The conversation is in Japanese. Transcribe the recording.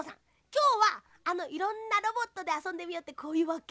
きょうはあのいろんなロボットであそんでみようってこういうわけ？